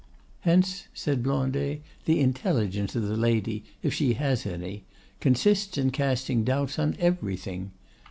"Hence," said Blondet, "the intelligence of the lady, if she has any, consists in casting doubts on everything.